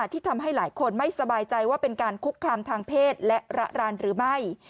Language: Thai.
ที่ทำให้หลายคนไม่สบายใจว่าเป็นการคุกคามทางเพศและระรานหรือไม่